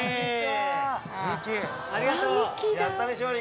ありがとう。